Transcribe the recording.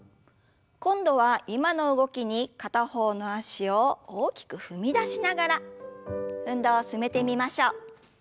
今度は今の動きに片方の脚を大きく踏み出しながら運動を進めてみましょう。